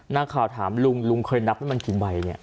หน้าข่าวถามลุงลุงเคยนับว่ามันถึงใบ